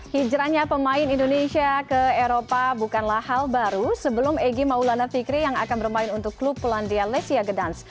hijrahnya pemain indonesia ke eropa bukanlah hal baru sebelum egy maulana fikri yang akan bermain untuk klub polandia lesia gedans